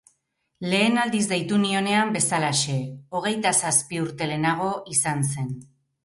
Lehen aldiz deitu nionean bezalaxe... hogeita zazpi urte lehenago... izan zen.